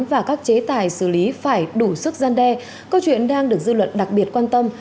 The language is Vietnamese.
và các chế tài xử lý phải đủ sức gian đe câu chuyện đang được dư luận đặc biệt quan tâm